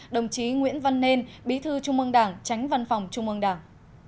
đồng chí nguyễn văn nên bí thư trung mương đảng tránh văn phòng trung mương đảng